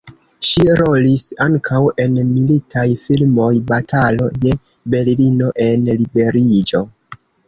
Ŝi rolis ankaŭ en militaj filmoj "Batalo je Berlino" en "Liberiĝo".